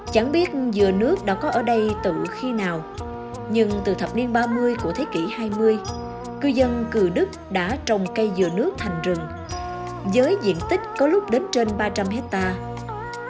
chẳng biết dừa nước đã có ở đây từ khi nào nhưng từ thập niên ba mươi của thế kỷ hai mươi cư dân cừu đức đã trồng cây dừa nước thành rừng với diện tích có lúc đến trên ba trăm linh hectare